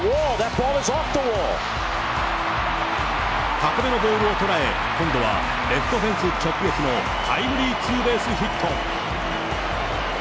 高めのボールを捉え、今度はレフトフェンス直撃のタイムリーツーベースヒット。